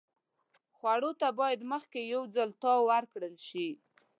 خوړو ته باید مخکې یو ځل تاو ورکړل شي.